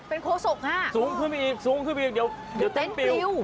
เป็นโค้กสกฮะสูงขึ้นอีกสูงขึ้นอีกเดี๋ยวเดี๋ยวเต้นปิว